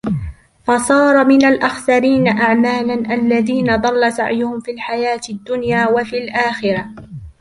فَصَارَ مِنْ الْأَخْسَرِينَ أَعْمَالًا الَّذِينَ ضَلَّ سَعْيُهُمْ فِي الْحَيَاةِ الدُّنْيَا وَفِي الْآخِرَةِ